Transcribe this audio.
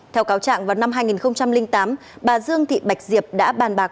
theo cáo trạng vào năm hai nghìn tám bà dương thị bạch diệp đã bàn bạc